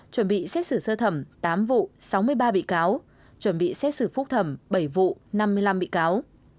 chuẩn bị xét xử sơ thẩm tám vụ sáu mươi ba bị cáo chuẩn bị xét xử phúc thẩm bảy vụ năm mươi năm bị cáo